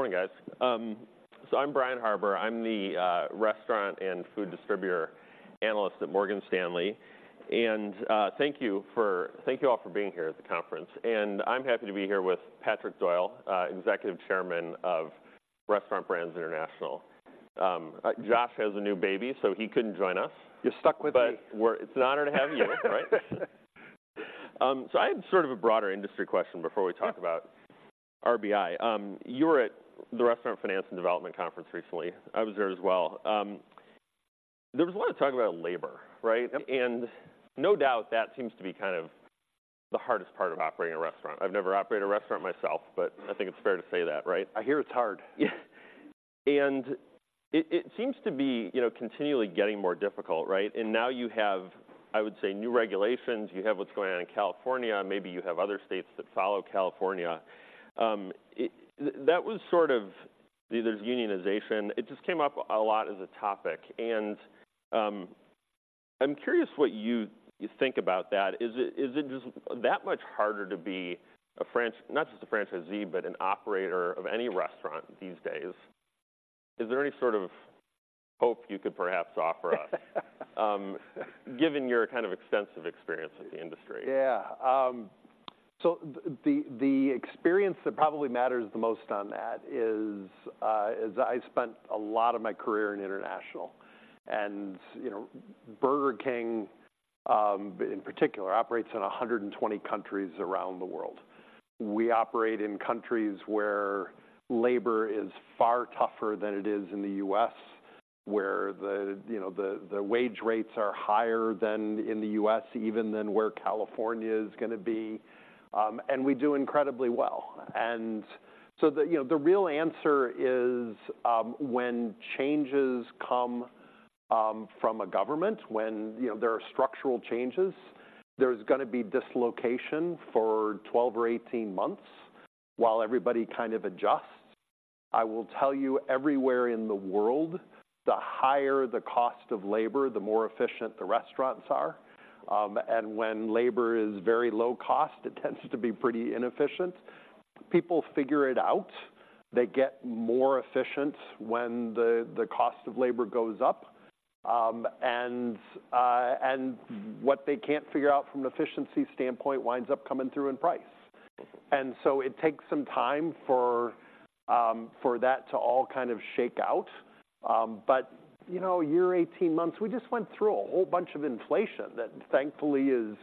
Morning, guys. So I'm Brian Harbour. I'm the restaurant and food distributor analyst at Morgan Stanley, and thank you all for being here at the conference. And I'm happy to be here with Patrick Doyle, Executive Chairman of Restaurant Brands International. Josh has a new baby, so he couldn't join us. You're stuck with me. It's an honor to have you here, right? So I had sort of a broader industry question before we talk about RBI. There was a lot of talk about labor, right? Yep. No doubt, that seems to be kind of the hardest part of operating a restaurant. I've never operated a restaurant myself, but I think it's fair to say that, right? I hear it's hard. Yeah, and it seems to be, you know, continually getting more difficult, right? And now you have, I would say, new regulations. You have what's going on in California, and maybe you have other states that follow California. That was sort of either unionization. It just came up a lot as a topic, and, I'm curious what you think about that. Is it just that much harder to be a franch- not just a franchisee, but an operator of any restaurant these days? Is there any sort of hope you could perhaps offer us, given your kind of extensive experience with the industry? Yeah. So the experience that probably matters the most on that is I spent a lot of my career in international. And, you know, Burger King, in particular, operates in 100 countries around the world. We operate in countries where labor is far tougher than it is in the U.S., where, you know, the wage rates are higher than in the U.S., even than where California is gonna be. And we do incredibly well. And so, you know, the real answer is, when changes come from a government, when, you know, there are structural changes, there's gonna be dislocation for 12 months or 18 months while everybody kind of adjusts. I will tell you, everywhere in the world, the higher the cost of labor, the more efficient the restaurants are. and when labor is very low cost, it tends to be pretty inefficient. People figure it out. They get more efficient when the cost of labor goes up. and what they can't figure out from an efficiency standpoint winds up coming through in price. And so it takes some time for that to all kind of shake out. but, you know, a year, 18 months, we just went through a whole bunch of inflation that thankfully is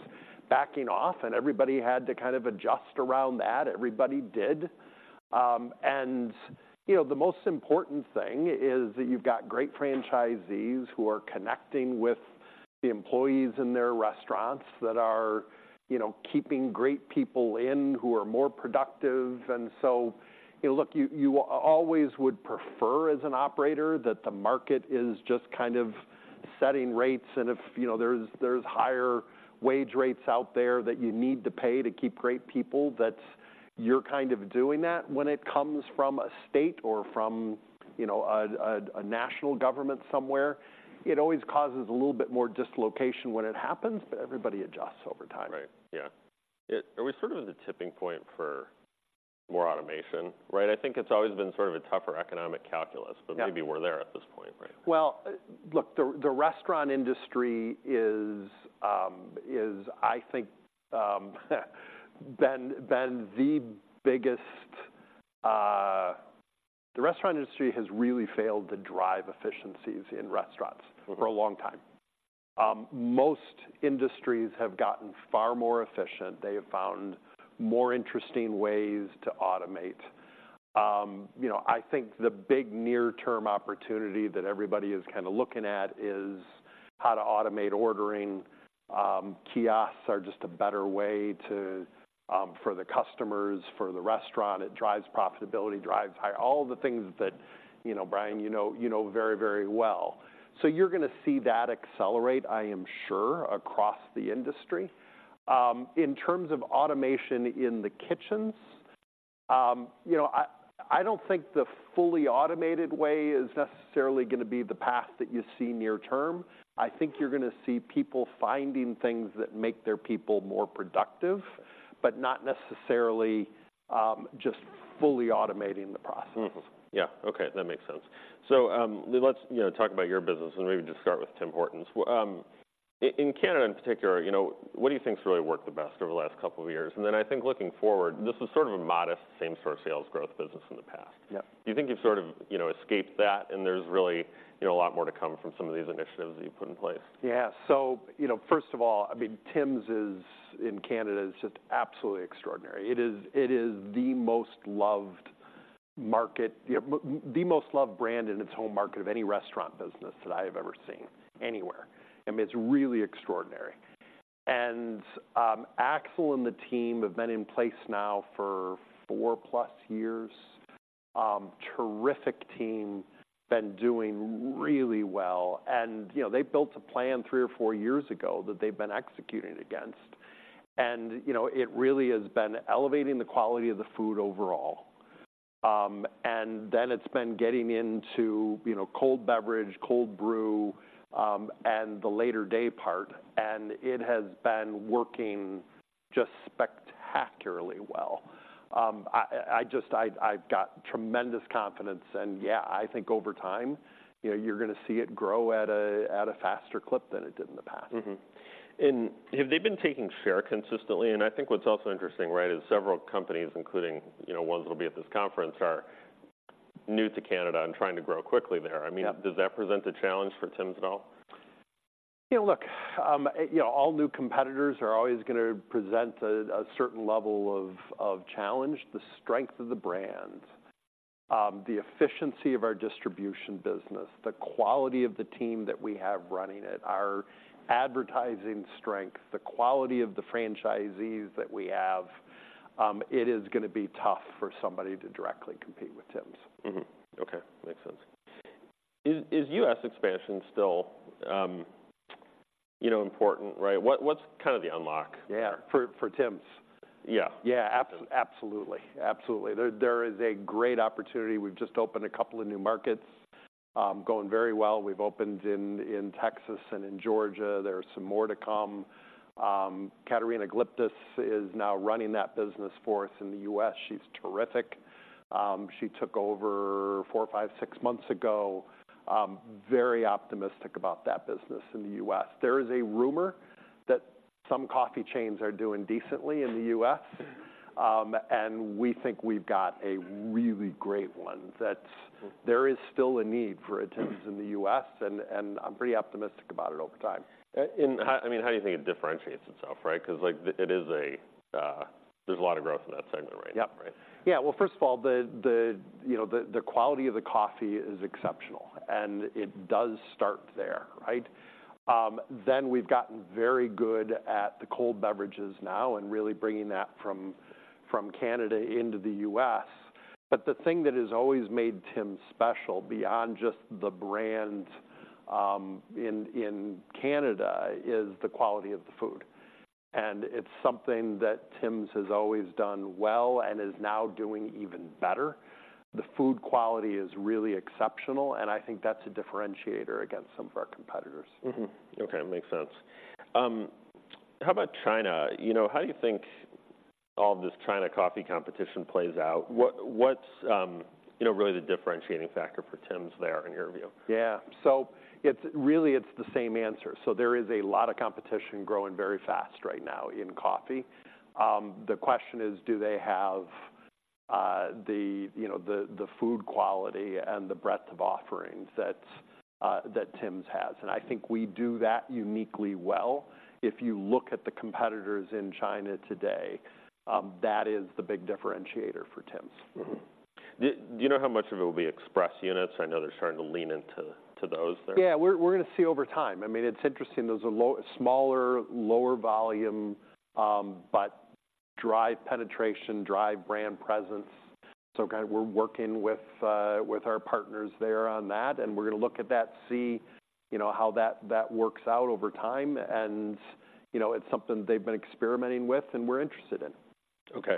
backing off, and everybody had to kind of adjust around that. Everybody did. and, you know, the most important thing is that you've got great franchisees who are connecting with the employees in their restaurants, that are, you know, keeping great people in, who are more productive. And so, you know, look, you always would prefer, as an operator, that the market is just kind of setting rates, and if, you know, there's higher wage rates out there that you need to pay to keep great people, that you're kind of doing that. When it comes from a state or from, you know, a national government somewhere, it always causes a little bit more dislocation when it happens, but everybody adjusts over time. Right. Yeah. Yeah, are we sort of at a tipping point for more automation, right? I think it's always been sort of a tougher economic calculus- Yeah... but maybe we're there at this point, right? Well, look, the restaurant industry is, I think, been the biggest... The restaurant industry has really failed to drive efficiencies in restaurants- Mm-hmm... for a long time. Most industries have gotten far more efficient. They have found more interesting ways to automate. You know, I think the big near-term opportunity that everybody is kinda looking at is how to automate ordering. Kiosks are just a better way to, for the customers, for the restaurant. It drives profitability, drives high, all the things that, you know, Brian, you know, you know very, very well. So you're gonna see that accelerate, I am sure, across the industry. In terms of automation in the kitchens, you know, I don't think the fully automated way is necessarily gonna be the path that you see near term. I think you're gonna see people finding things that make their people more productive, but not necessarily, just fully automating the processes. Mm-hmm. Yeah, okay, that makes sense. So, let's, you know, talk about your business, and maybe just start with Tim Hortons. In Canada, in particular, you know, what do you think's really worked the best over the last couple of years? And then, I think, looking forward, this is sort of a modest, same-store sales growth business in the past. Yep. Do you think you've sort of, you know, escaped that, and there's really, you know, a lot more to come from some of these initiatives that you've put in place? Yeah. So, you know, first of all, I mean, Tims is, in Canada, is just absolutely extraordinary. It is, it is the most loved market, yeah, the most loved brand in its home market of any restaurant business that I have ever seen anywhere. I mean, it's really extraordinary. And, Axel and the team have been in place now for 4+ years. Terrific team, been doing really well, and, you know, they built a plan three or four years ago that they've been executing against. And, you know, it really has been elevating the quality of the food overall. And then it's been getting into, you know, cold beverage, cold brew, and the later day part, and it has been working just spectacularly well. I've got tremendous confidence, and yeah, I think over time, you know, you're gonna see it grow at a faster clip than it did in the past. Mm-hmm. And have they been taking share consistently? And I think what's also interesting, right, is several companies, including, you know, ones that'll be at this conference, are new to Canada and trying to grow quickly there. Yeah. I mean, does that present a challenge for Tims at all? Yeah, look, you know, all new competitors are always gonna present a certain level of challenge. The strength of the brand, the efficiency of our distribution business, the quality of the team that we have running it, our advertising strength, the quality of the franchisees that we have, it is gonna be tough for somebody to directly compete with Tims. Mm-hmm. Okay, makes sense. Is U.S. expansion still, you know, important, right? What's kind of the unlock? Yeah, for, for Tims? Yeah. Yeah. Absolutely. Absolutely. There is a great opportunity. We've just opened a couple of new markets, going very well. We've opened in Texas and in Georgia. There are some more to come. Katerina Glyptis is now running that business for us in the U.S. She's terrific. She took over four, five, six months ago. Very optimistic about that business in the U.S. There is a rumor that some coffee chains are doing decently in the U.S. And we think we've got a really great one, that- Mm... there is still a need for a Tims in the U.S., and I'm pretty optimistic about it over time. And how, I mean, how do you think it differentiates itself, right? Because, like, the, it is a... There's a lot of growth in that segment right now- Yep... right? Yeah. Well, first of all, you know, the quality of the coffee is exceptional, and it does start there, right? Then we've gotten very good at the cold beverages now and really bringing that from Canada into the U.S. But the thing that has always made Tims special, beyond just the brand, in Canada, is the quality of the food, and it's something that Tims has always done well and is now doing even better. The food quality is really exceptional, and I think that's a differentiator against some of our competitors. Mm-hmm. Okay, makes sense. How about China? You know, how do you think all this China coffee competition plays out? What’s, you know, really the differentiating factor for Tims there, in your view? Yeah. So it's really, it's the same answer. So there is a lot of competition growing very fast right now in coffee. The question is, do they have, you know, the food quality and the breadth of offerings that that Tims has? And I think we do that uniquely well. If you look at the competitors in China today, that is the big differentiator for Tims. Mm-hmm. Do you know how much of it will be express units? I know they're starting to lean into those there. Yeah, we're, we're gonna see over time. I mean, it's interesting, those are low, smaller, lower volume, but drive penetration, drive brand presence. So kind of we're working with, with our partners there on that, and we're gonna look at that, see, you know, how that, that works out over time. And, you know, it's something they've been experimenting with and we're interested in. Okay.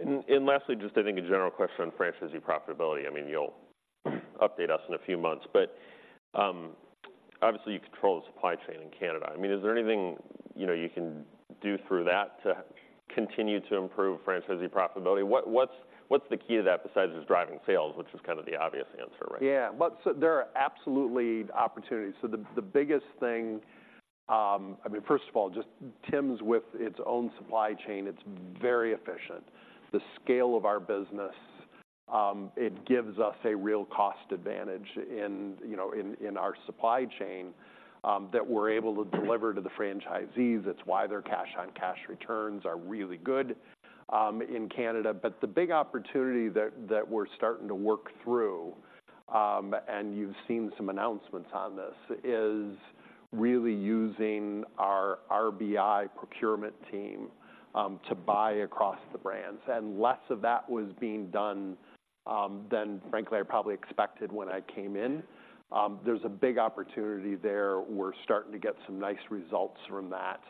And lastly, just I think a general question on franchisee profitability. I mean, you'll update us in a few months, but, obviously, you control the supply chain in Canada. I mean, is there anything, you know, you can do through that to continue to improve franchisee profitability? What's the key to that, besides just driving sales, which is kind of the obvious answer, right? Yeah. But so there are absolutely opportunities. So the biggest thing, I mean, first of all, just Tims with its own supply chain, it's very efficient. The scale of our business, it gives us a real cost advantage in, you know, in, in our supply chain, that we're able to deliver to the franchisees. It's why their cash-on-cash returns are really good, in Canada. But the big opportunity that, that we're starting to work through, and you've seen some announcements on this, is really using our RBI procurement team, to buy across the brands, and less of that was being done, than frankly, I probably expected when I came in. There's a big opportunity there. We're starting to get some nice results from that.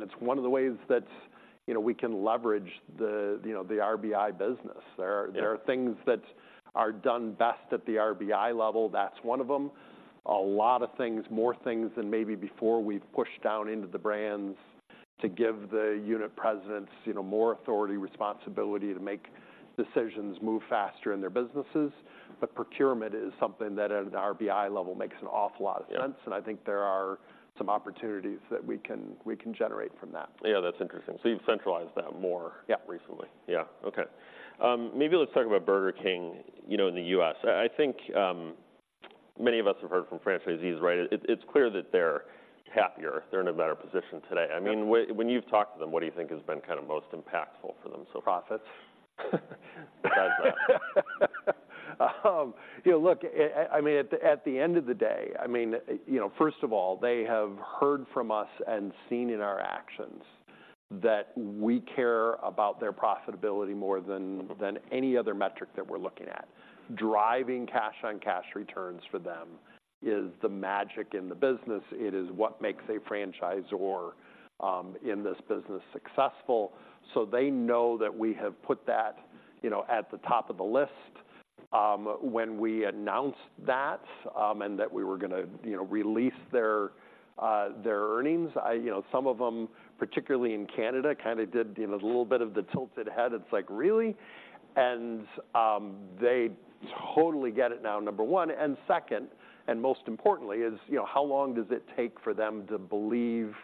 It's one of the ways that, you know, we can leverage the, you know, the RBI business. Yeah. There are things that are done best at the RBI level. That's one of them. A lot of things, more things than maybe before, we've pushed down into the brands to give the unit presidents, you know, more authority, responsibility to make decisions, move faster in their businesses. But procurement is something that, at an RBI level, makes an awful lot of sense. Yeah. I think there are some opportunities that we can generate from that. Yeah, that's interesting. So you've centralized that more- Yeah... recently. Yeah. Okay. Maybe let's talk about Burger King, you know, in the U.S. I think many of us have heard from franchisees, right? It's clear that they're happier. They're in a better position today. Yeah. I mean, when you've talked to them, what do you think has been kind of most impactful for them so far? Profits. Besides that. You know, look, I mean, at the end of the day, I mean, you know, first of all, they have heard from us and seen in our actions that we care about their profitability more than any other metric that we're looking at. Driving cash-on-cash returns for them is the magic in the business. It is what makes a franchisor in this business successful. So they know that we have put that, you know, at the top of the list. When we announced that and that we were gonna, you know, release their earnings, I, you know, some of them, particularly in Canada, kind of did, you know, a little bit of the tilted head. It's like, "Really?" And they totally get it now, number one, and second, and most importantly, is, you know, how long does it take for them to believe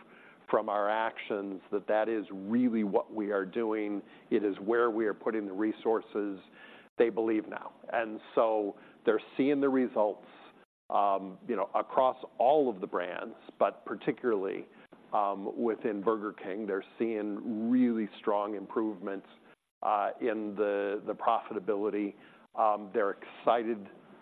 from our actions that that is really what we are doing, it is where we are putting the resources? They believe now. And so they're seeing the results, you know, across all of the brands, but particularly, within Burger King. They're seeing really strong improvements in the profitability. They're excited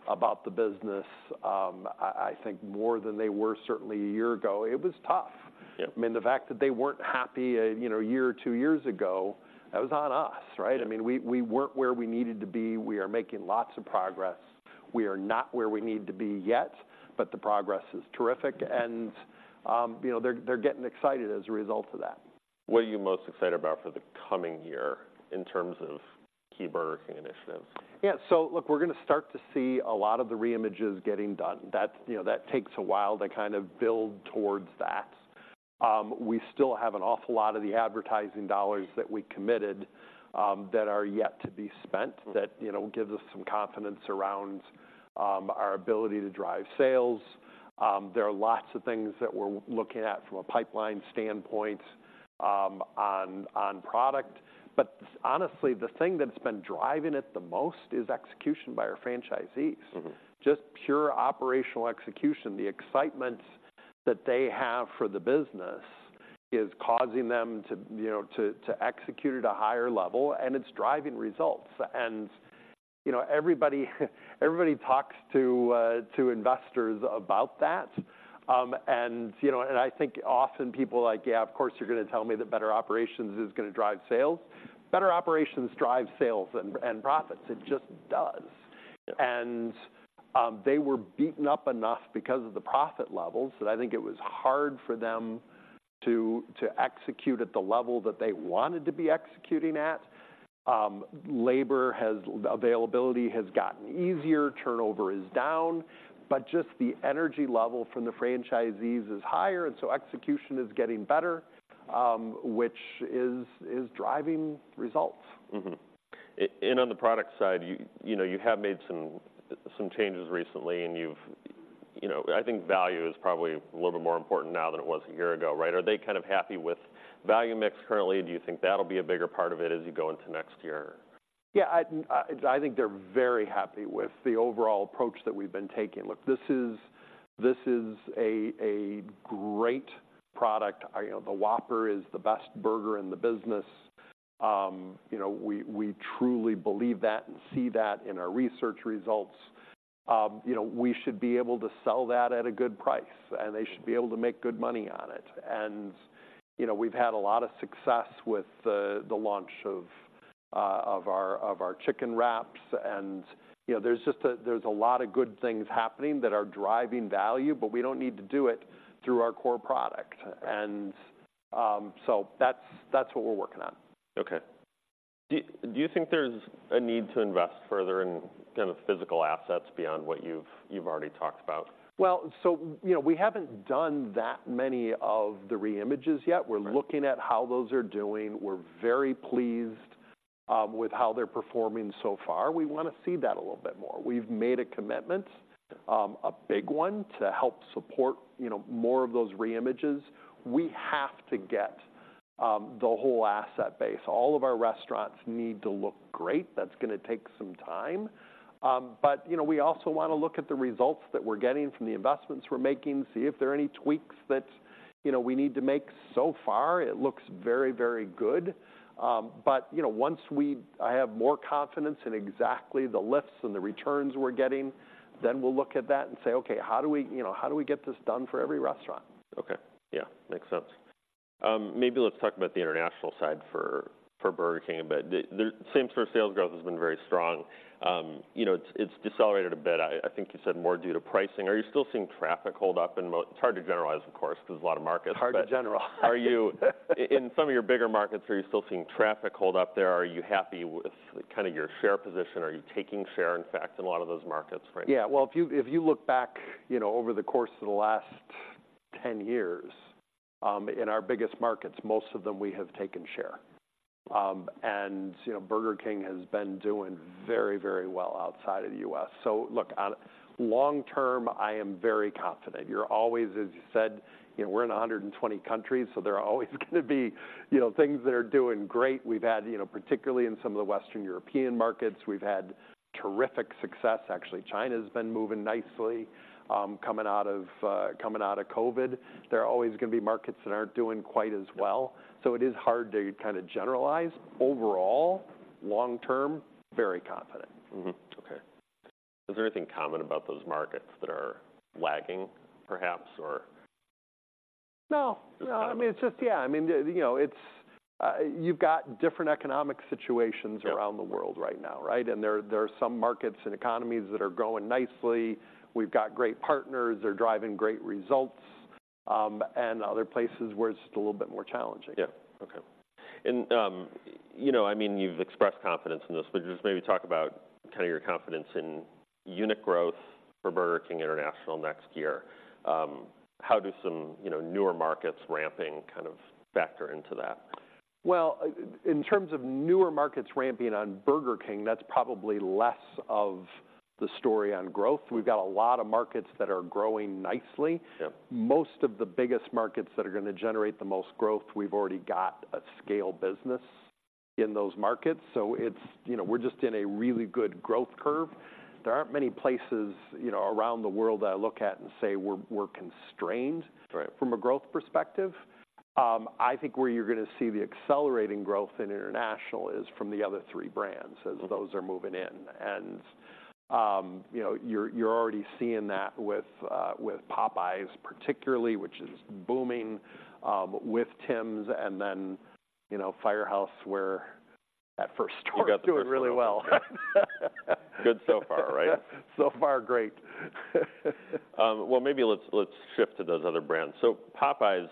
about the business, I think more than they were certainly a year ago. It was tough. Yep. I mean, the fact that they weren't happy, you know, a year or two years ago, that was on us, right? Yep. I mean, we weren't where we needed to be. We are making lots of progress. We are not where we need to be yet, but the progress is terrific, and, you know, they're getting excited as a result of that. What are you most excited about for the coming year in terms of key Burger King initiatives? Yeah. So look, we're gonna start to see a lot of the re-images getting done. That, you know, that takes a while to kind of build towards that. We still have an awful lot of the advertising dollars that we committed, that are yet to be spent- Mm. - that, you know, gives us some confidence around, our ability to drive sales. There are lots of things that we're looking at from a pipeline standpoint, on product, but honestly, the thing that's been driving it the most is execution by our franchisees. Mm-hmm. Just pure operational execution. The excitement that they have for the business is causing them to, you know, to execute at a higher level, and it's driving results. And, you know, everybody, everybody talks to investors about that. And, you know, and I think often people are like, "Yeah, of course, you're gonna tell me that better operations is gonna drive sales." Better operations drives sales and profits. It just does. Yep. They were beaten up enough because of the profit levels, that I think it was hard for them to execute at the level that they wanted to be executing at. Labor availability has gotten easier, turnover is down, but just the energy level from the franchisees is higher, and so execution is getting better, which is driving results. Mm-hmm. And on the product side, you, you know, you have made some, some changes recently, and you've, you know, I think value is probably a little bit more important now than it was a year ago, right? Are they kind of happy with value mix currently, and do you think that'll be a bigger part of it as you go into next year? Yeah, I think they're very happy with the overall approach that we've been taking. Look, this is a great product. You know, the Whopper is the best burger in the business. You know, we truly believe that and see that in our research results. You know, we should be able to sell that at a good price, and they should be able to make good money on it. And, you know, we've had a lot of success with the launch of our chicken wraps, and, you know, there's just a lot of good things happening that are driving value, but we don't need to do it through our core product. Right. So that's, that's what we're working on. Okay. Do you think there's a need to invest further in kind of physical assets beyond what you've already talked about? Well, you know, we haven't done that many of the re-images yet. Right. We're looking at how those are doing. We're very pleased with how they're performing so far. We wanna see that a little bit more. We've made a commitment, a big one, to help support, you know, more of those re-images. We have to get the whole asset base. All of our restaurants need to look great. That's gonna take some time, but, you know, we also wanna look at the results that we're getting from the investments we're making, see if there are any tweaks that, you know, we need to make. So far, it looks very, very good. But, you know, once I have more confidence in exactly the lifts and the returns we're getting, then we'll look at that and say, "Okay, how do we, you know, how do we get this done for every restaurant? Okay. Yeah. Makes sense. Maybe let's talk about the international side for Burger King a bit. The same store sales growth has been very strong. You know, it's decelerated a bit, I think you said more due to pricing. Are you still seeing traffic hold up in mo- It's hard to generalize, of course, because a lot of markets, but- Hard to generalize. Are you in some of your bigger markets, are you still seeing traffic hold up there? Are you happy with kind of your share position? Are you taking share, in fact, in a lot of those markets right now? Yeah. Well, if you, if you look back, you know, over the course of the last 10 years, in our biggest markets, most of them we have taken share. And, you know, Burger King has been doing very, very well outside of the U.S. So look, on long term, I am very confident. You're always, as you said, you know, we're in 120 countries, so there are always gonna be, you know, things that are doing great. We've had, you know, particularly in some of the Western European markets, we've had terrific success. Actually, China's been moving nicely, coming out of, coming out of COVID. There are always gonna be markets that aren't doing quite as well. Yeah. It is hard to kind of generalize. Overall, long term, very confident. Mm-hmm. Okay. Is there anything common about those markets that are lagging, perhaps, or? No. No, I mean-... It's just, yeah, I mean, the, you know, it's, you've got different economic situations- Yeah Around the world right now, right? And there are some markets and economies that are growing nicely. We've got great partners. They're driving great results... and other places where it's just a little bit more challenging. Yeah. Okay. And, you know, I mean, you've expressed confidence in this, but just maybe talk about kind of your confidence in unit growth for Burger King International next year. How do some, you know, newer markets ramping kind of factor into that? Well, in terms of newer markets ramping on Burger King, that's probably less of the story on growth. We've got a lot of markets that are growing nicely. Yeah. Most of the biggest markets that are gonna generate the most growth, we've already got a scale business in those markets, so it's, you know, we're just in a really good growth curve. There aren't many places, you know, around the world that I look at and say we're constrained- Right... from a growth perspective. I think where you're gonna see the accelerating growth in international is from the other three brands as- Mm-hmm... those are moving in. And, you know, you're already seeing that with, with Popeyes particularly, which is booming, with Tims and then, you know, Firehouse, where that first store- You got the first one.... doing really well. Good so far, right? So far, great. Well, maybe let's, let's shift to those other brands. So Popeyes,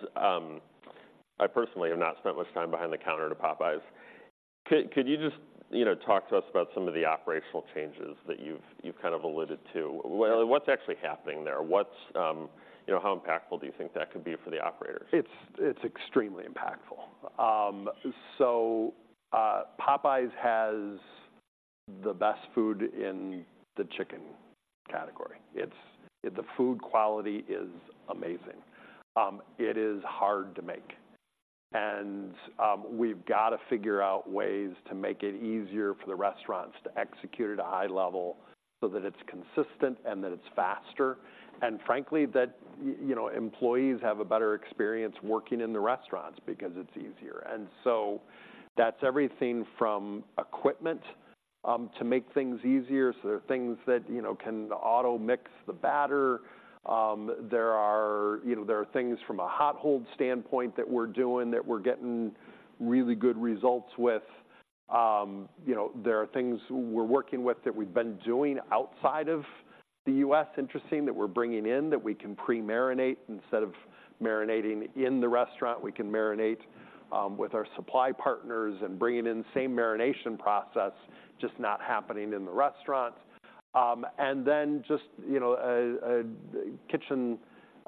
I personally have not spent much time behind the counter to Popeyes. Could, could you just, you know, talk to us about some of the operational changes that you've, you've kind of alluded to? Well, what's actually happening there? What's, you know, how impactful do you think that could be for the operators? It's extremely impactful. Popeyes has the best food in the chicken category. It's the food quality is amazing. It is hard to make. We've got to figure out ways to make it easier for the restaurants to execute at a high level so that it's consistent and that it's faster, and frankly, that you know, employees have a better experience working in the restaurants because it's easier. That's everything from equipment to make things easier. So there are things that, you know, can auto-mix the batter. There are, you know, there are things from a hot hold standpoint that we're doing that we're getting really good results with. You know, there are things we're working with that we've been doing outside of the U.S., interesting, that we're bringing in, that we can pre-marinate. Instead of marinating in the restaurant, we can marinate with our supply partners and bringing in the same marination process, just not happening in the restaurant. And then just, you know, a kitchen,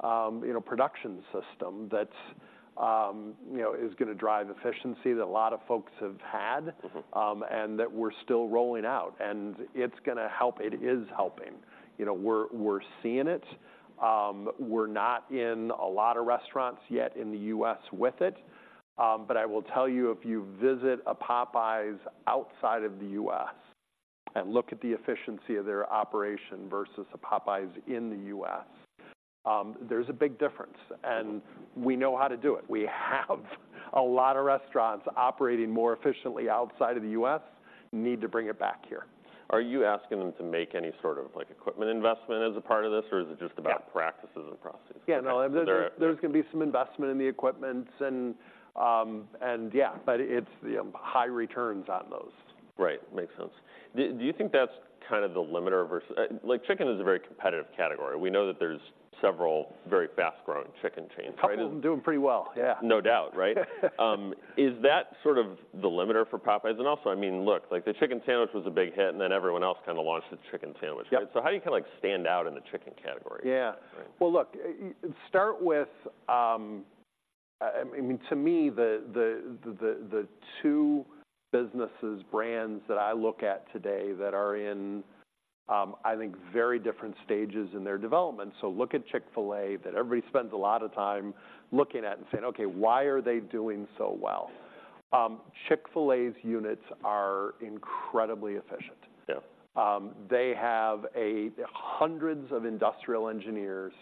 you know, production system that, you know, is gonna drive efficiency that a lot of folks have had- Mm-hmm... and that we're still rolling out, and it's gonna help. It is helping. You know, we're seeing it. We're not in a lot of restaurants yet in the U.S. with it, but I will tell you, if you visit a Popeyes outside of the U.S. and look at the efficiency of their operation versus a Popeyes in the U.S., there's a big difference, and- Mm-hmm... we know how to do it. We have a lot of restaurants operating more efficiently outside of the U.S., need to bring it back here. Are you asking them to make any sort of, like, equipment investment as a part of this, or is it just about- Yeah... practices and processes? Yeah, no- So there are- There's gonna be some investment in the equipments and, and yeah, but it's, you know, high returns on those. Right. Makes sense. Do you think that's kind of the limiter versus... Like, chicken is a very competitive category. We know that there's several very fast-growing chicken chains, right? A couple of them doing pretty well, yeah. No doubt, right? Is that sort of the limiter for Popeyes? And also, I mean, look, like, the chicken sandwich was a big hit, and then everyone else kinda launched its chicken sandwich. Yep. How do you kinda, like, stand out in the chicken category? Yeah. Right. Well, look, you start with, I mean, to me, the two businesses, brands that I look at today that are in, I think, very different stages in their development, so look at Chick-fil-A that everybody spends a lot of time looking at and saying: "Okay, why are they doing so well?" Chick-fil-A's units are incredibly efficient. Yeah. They have hundreds of industrial engineers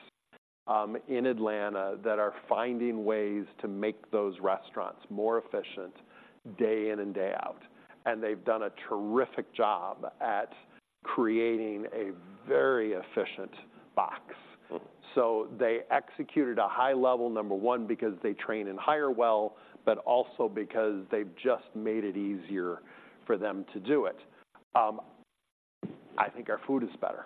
in Atlanta that are finding ways to make those restaurants more efficient day in and day out, and they've done a terrific job at creating a very efficient box. Mm. So they executed a high level, number one, because they train and hire well, but also because they've just made it easier for them to do it. I think our food is better.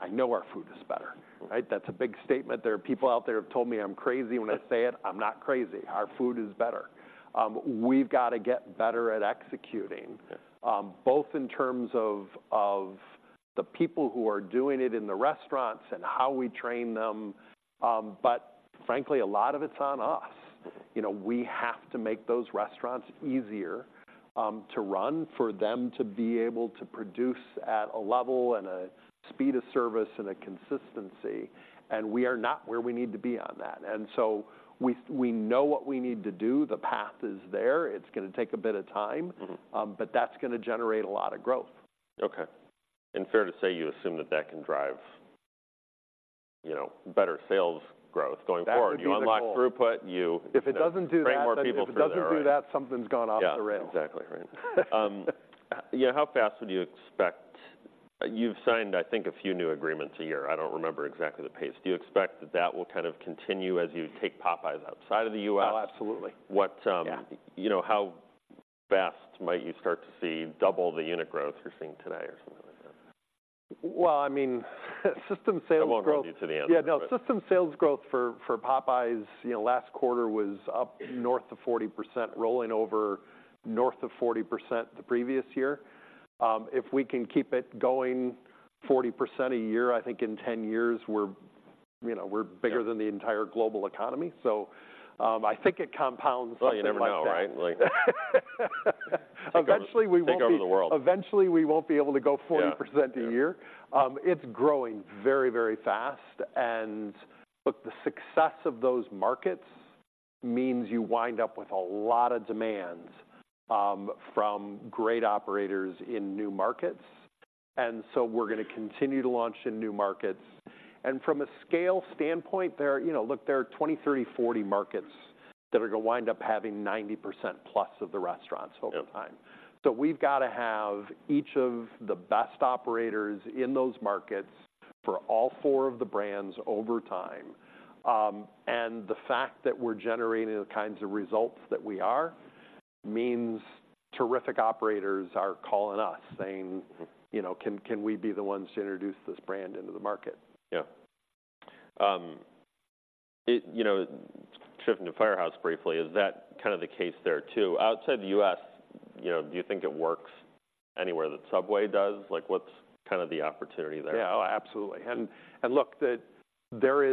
I know our food is better. Mm. Right? That's a big statement. There are people out there who have told me I'm crazy when I say it. I'm not crazy. Our food is better. We've got to get better at executing- Yeah... both in terms of the people who are doing it in the restaurants and how we train them. But frankly, a lot of it's on us. Mm-hmm. You know, we have to make those restaurants easier to run for them to be able to produce at a level, and a speed of service, and a consistency, and we are not where we need to be on that. And so we know what we need to do. The path is there. It's gonna take a bit of time- Mm-hmm... but that's gonna generate a lot of growth. Okay. Fair to say, you assume that that can drive, you know, better sales growth going forward? That's the goal. You unlock throughput, you- If it doesn't do that- Bring more people through the door... if it doesn't do that, something's gone off the rail. Yeah, exactly right. Yeah, how fast would you expect... You've signed, I think, a few new agreements a year. I don't remember exactly the pace. Do you expect that that will kind of continue as you take Popeyes outside of the U.S.? Oh, absolutely. What, um- Yeah... you know, how fast might you start to see double the unit growth you're seeing today or something like that?... Well, I mean, System sales growth- I won't hold you to the answer. Yeah, no, system sales growth for, for Popeyes, you know, last quarter was up north of 40%, rolling over north of 40% the previous year. If we can keep it going 40% a year, I think in 10 years, we're, you know, we're bigger- Yeah... than the entire global economy. So, I think it compounds something like that. Well, you never know, right? Like- take over, take over the world. Eventually, we won't be able to go 40% a year. Yeah. It's growing very, very fast, and look, the success of those markets means you wind up with a lot of demand from great operators in new markets, and so we're gonna continue to launch in new markets. And from a scale standpoint, there are—you know, look, there are 20 markets, 30 markets, 40 markets that are gonna wind up having 90%+ of the restaurants over time. Yeah. We've got to have each of the best operators in those markets for all four of the brands over time. The fact that we're generating the kinds of results that we are means terrific operators are calling us, saying- Mm... you know, "Can we be the ones to introduce this brand into the market? Yeah. You know, shifting to Firehouse briefly, is that kind of the case there, too? Outside the U.S., you know, do you think it works anywhere that Subway does? Like, what's kind of the opportunity there? Yeah. Oh, absolutely. And look, there is, you know, there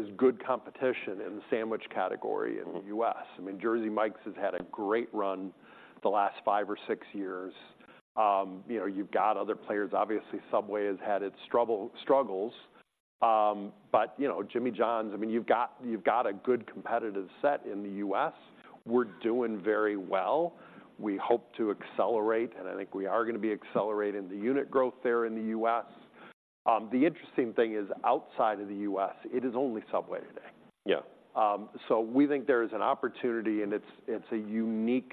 is good competition in the sandwich category in the U.S. Mm-hmm. I mean, Jersey Mike's has had a great run the last five or six years. You know, you've got other players. Obviously, Subway has had its struggles, but you know, Jimmy John's, I mean, you've got, you've got a good competitive set in the U.S. We're doing very well. We hope to accelerate, and I think we are gonna be accelerating the unit growth there in the U.S. The interesting thing is, outside of the U.S., it is only Subway today. Yeah. So we think there is an opportunity, and it's a unique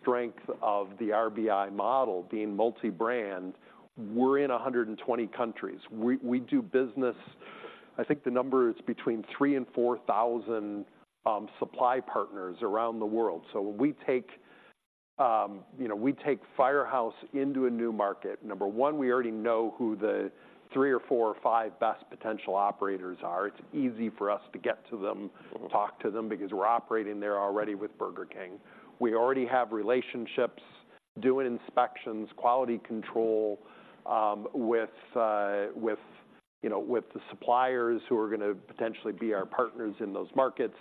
strength of the RBI model, being multi-brand. We're in 120 countries. We do business... I think the number is between 3,000 and 4,000 supply partners around the world. So when we take, you know, we take Firehouse into a new market, number one, we already know who the 3 or 4 or 5 best potential operators are. It's easy for us to get to them- Mm-hmm... talk to them because we're operating there already with Burger King. We already have relationships, doing inspections, quality control, with, you know, with the suppliers who are gonna potentially be our partners in those markets.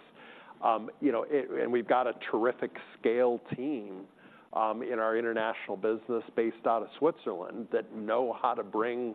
You know, and we've got a terrific scale team, in our international business based out of Switzerland, that know how to bring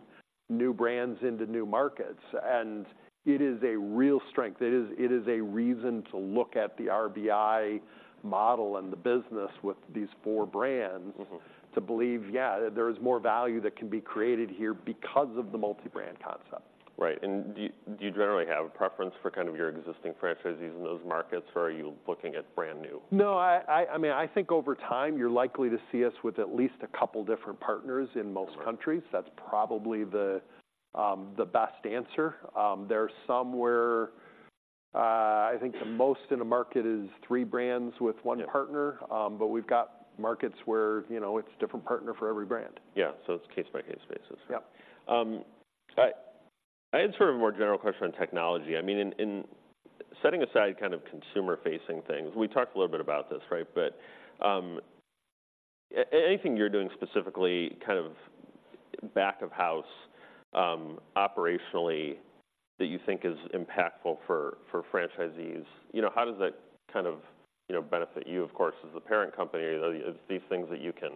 new brands into new markets, and it is a real strength. It is, it is a reason to look at the RBI model and the business with these four brands- Mm-hmm... to believe, yeah, there is more value that can be created here because of the multi-brand concept. Right. Do you generally have a preference for kind of your existing franchisees in those markets, or are you looking at brand new? No, I mean, I think over time, you're likely to see us with at least a couple different partners in most countries. Right. That's probably the, the best answer. There are some where, I think the most in the market is three brands with one partner. Yeah. But we've got markets where, you know, it's a different partner for every brand. Yeah. So it's case-by-case basis. Yep. I had sort of a more general question on technology. I mean, in setting aside kind of consumer-facing things, we talked a little bit about this, right? But anything you're doing specifically, kind of back of house, operationally, that you think is impactful for franchisees? You know, how does that kind of, you know, benefit you, of course, as the parent company? Are these things that you can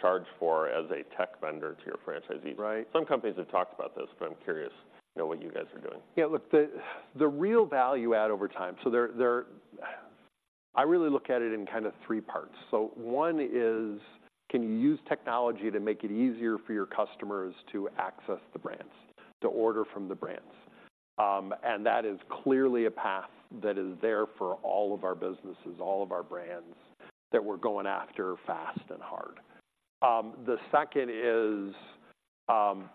charge for as a tech vendor to your franchisees? Right. Some companies have talked about this, but I'm curious to know what you guys are doing. Yeah, look, the real value add over time. So, I really look at it in kind of three parts. So one is, can you use technology to make it easier for your customers to access the brands, to order from the brands? And that is clearly a path that is there for all of our businesses, all of our brands, that we're going after fast and hard. The second is,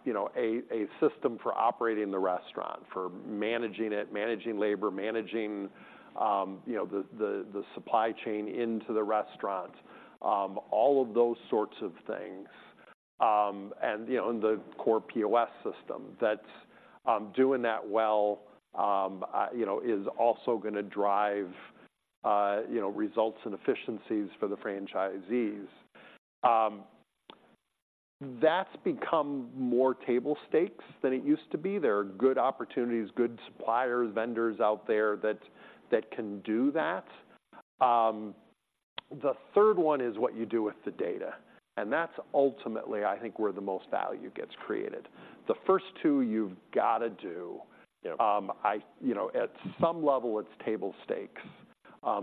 you know, a system for operating the restaurant, for managing it, managing labor, managing, you know, the supply chain into the restaurant, all of those sorts of things. And, you know, the core POS system, doing that well, you know, is also gonna drive, you know, results and efficiencies for the franchisees. That's become more table stakes than it used to be. There are good opportunities, good suppliers, vendors out there that can do that. The third one is what you do with the data, and that's ultimately, I think, where the most value gets created. The first two, you've got to do. Yep. You know, at some level, it's table stakes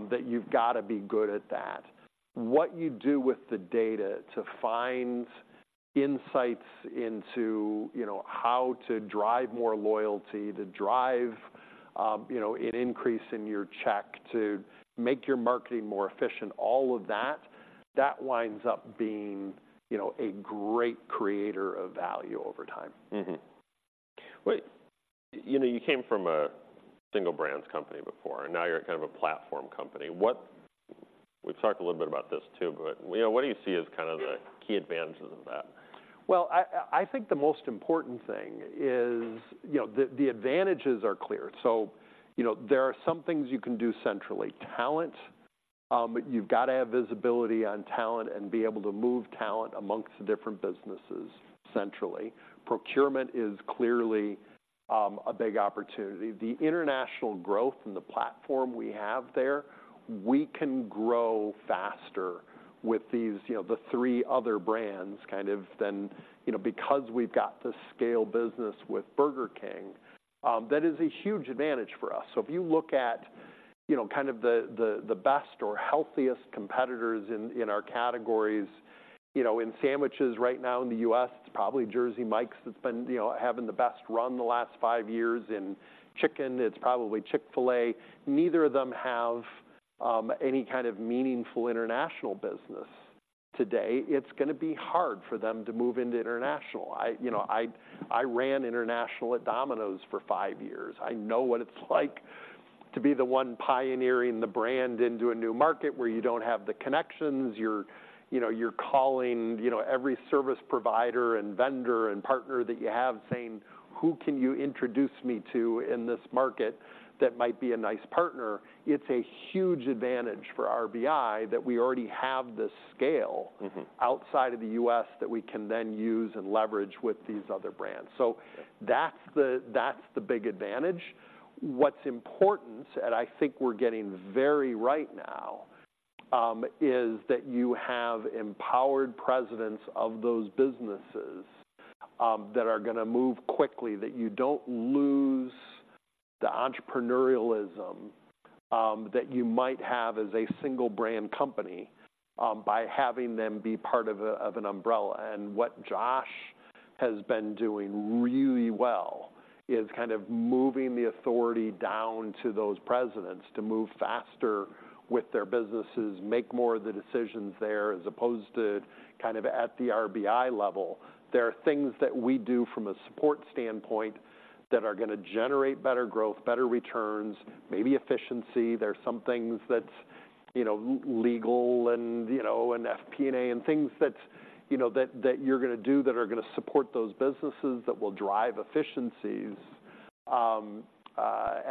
that you've got to be good at that. What you do with the data to find insights into, you know, how to drive more loyalty, to drive, you know, an increase in your check, to make your marketing more efficient, all of that, that winds up being, you know, a great creator of value over time. Mm-hmm. Well, you know, you came from a single brands company before, and now you're kind of a platform company. What-- We've talked a little bit about this, too, but, you know, what do you see as kind of the key advantages of that? Well, I think the most important thing is, you know, the advantages are clear. So, you know, there are some things you can do centrally. Talent, you've got to have visibility on talent and be able to move talent amongst the different businesses centrally. Procurement is clearly a big opportunity. The international growth and the platform we have there, we can grow faster with these, you know, the three other brands kind of than... You know, because we've got this scale business with Burger King, that is a huge advantage for us. So if you look at, you know, kind of the best or healthiest competitors in our categories, you know, in sandwiches right now in the U.S., it's probably Jersey Mike's that's been, you know, having the best run the last five years. In chicken, it's probably Chick-fil-A. Neither of them have any kind of meaningful international business today. It's gonna be hard for them to move into international. I, you know, ran international at Domino's for five years. I know what it's like to be the one pioneering the brand into a new market, where you don't have the connections. You're, you know, calling, you know, every service provider and vendor and partner that you have, saying: "Who can you introduce me to in this market that might be a nice partner?" It's a huge advantage for RBI that we already have this scale- Mm-hmm... outside of the U.S., that we can then use and leverage with these other brands. So that's the, that's the big advantage. What's important, and I think we're getting very right now, is that you have empowered presidents of those businesses, that are gonna move quickly, that you don't lose the entrepreneurialism, that you might have as a single-brand company, by having them be part of a, of an umbrella. And what Josh has been doing really well is kind of moving the authority down to those presidents to move faster with their businesses, make more of the decisions there, as opposed to kind of at the RBI level. There are things that we do from a support standpoint that are gonna generate better growth, better returns, maybe efficiency. There are some things that's, you know, legal and, you know, and FP&A, and things that, you know, that, that you're gonna do that are gonna support those businesses, that will drive efficiencies,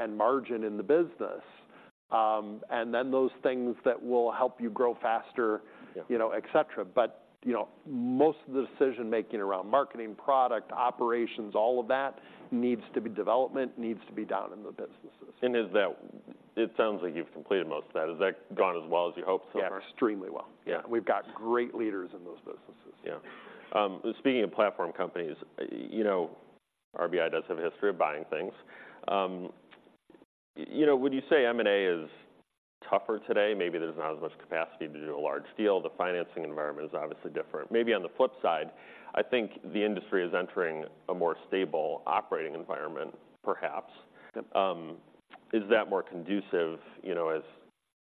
and margin in the business. And then those things that will help you grow faster- Yeah... you know, et cetera. But, you know, most of the decision-making around marketing, product, operations, all of that needs to be down in the businesses. It sounds like you've completed most of that. Has that gone as well as you hoped so far? Yeah, extremely well. Yeah. We've got great leaders in those businesses. Yeah. Speaking of platform companies, you know, RBI does have a history of buying things. You know, would you say M&A is tougher today? Maybe there's not as much capacity to do a large deal. The financing environment is obviously different. Maybe on the flip side, I think the industry is entering a more stable operating environment, perhaps. Yep. Is that more conducive, you know, as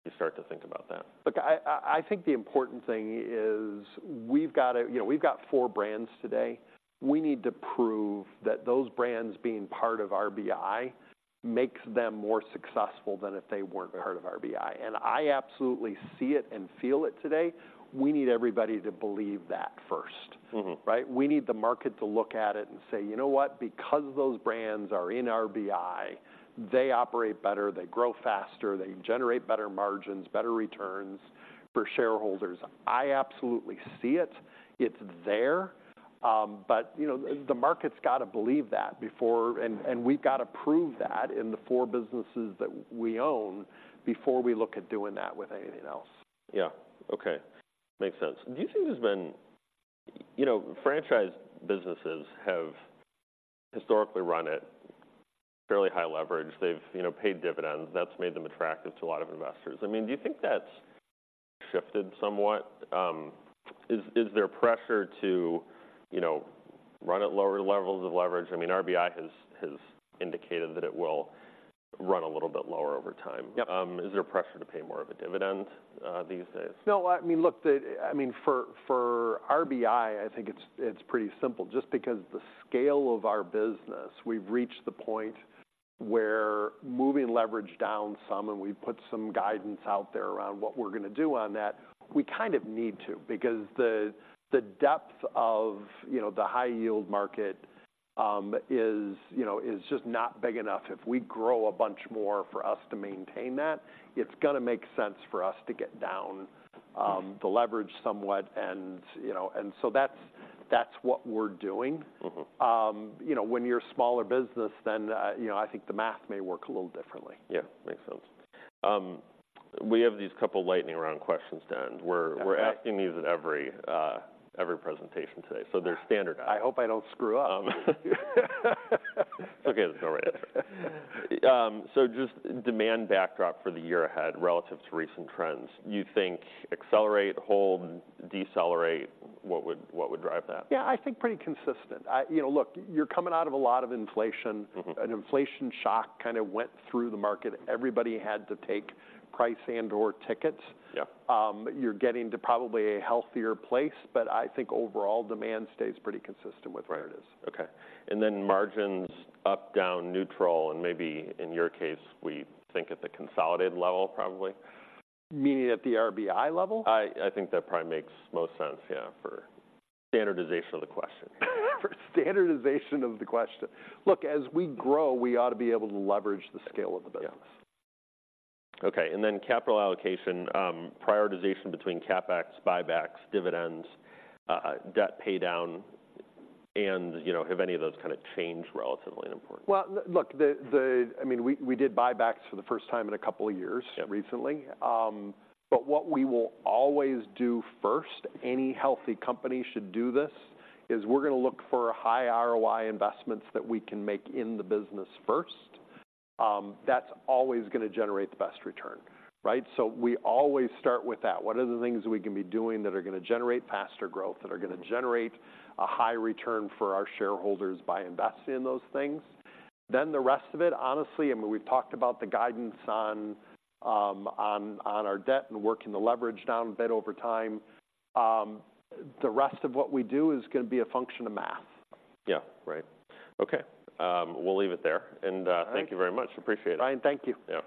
you start to think about that? Look, I think the important thing is we've got to... You know, we've got four brands today. We need to prove that those brands being part of RBI makes them more successful than if they weren't part of RBI, and I absolutely see it and feel it today. We need everybody to believe that first. Mm-hmm. Right? We need the market to look at it and say, "You know what? Because those brands are in RBI, they operate better, they grow faster, they generate better margins, better returns for shareholders." I absolutely see it. It's there, but, you know, the market's got to believe that before and we've got to prove that in the four businesses that we own before we look at doing that with anything else. Yeah. Okay, makes sense. Do you think there's been... You know, franchise businesses have historically run at fairly high leverage. They've, you know, paid dividends. That's made them attractive to a lot of investors. I mean, do you think that's shifted somewhat? Is there pressure to, you know, run at lower levels of leverage? I mean, RBI has indicated that it will run a little bit lower over time. Yep. Is there pressure to pay more of a dividend these days? No, I mean, look, I mean, for RBI, I think it's pretty simple. Just because the scale of our business, we've reached the point where moving leverage down some, and we've put some guidance out there around what we're gonna do on that, we kind of need to. Because the depth of, you know, the high-yield market is, you know, just not big enough. If we grow a bunch more, for us to maintain that, it's gonna make sense for us to get down the leverage somewhat, and, you know... And so that's what we're doing. Mm-hmm. You know, when you're a smaller business, then, you know, I think the math may work a little differently. Yeah, makes sense. We have these couple lightning-round questions to end. Okay. We're asking these at every presentation today, so they're standardized. I hope I don't screw up. It's okay, there's no right answer. So just demand backdrop for the year ahead relative to recent trends. You think accelerate, hold, decelerate? What would, what would drive that? Yeah, I think pretty consistent. You know, look, you're coming out of a lot of inflation. Mm-hmm. An inflation shock kind of went through the market. Everybody had to take price and/or tickets. Yep. You're getting to probably a healthier place, but I think overall demand stays pretty consistent with where it is. Right. Okay, and then margins up, down, neutral, and maybe in your case, we think at the consolidated level, probably? Meaning at the RBI level? I think that probably makes most sense, yeah, for standardization of the question. For standardization of the question. Look, as we grow, we ought to be able to leverage the scale of the business. Yeah. Okay, and then capital allocation, prioritization between CapEx, buybacks, dividends, debt paydown, and, you know, have any of those kind of changed relatively in importance? Well, look, I mean, we did buybacks for the first time in a couple of years. Yeah... recently. But what we will always do first, any healthy company should do this, is we're gonna look for a high ROI investments that we can make in the business first. That's always gonna generate the best return, right? So we always start with that. What are the things we can be doing that are gonna generate faster growth, that are gonna generate a high return for our shareholders by investing in those things? Then, the rest of it, honestly, I mean, we've talked about the guidance on our debt and working the leverage down a bit over time. The rest of what we do is gonna be a function of math. Yeah. Right. Okay, we'll leave it there, and- All right... Thank you very much. Appreciate it. Brian, thank you. Yeah.